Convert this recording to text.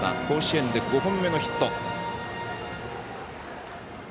甲子園で５本目のヒット。